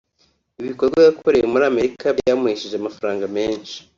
Ibikorwa yakoreye muri Amerika byamuhesheje amafaranga menshi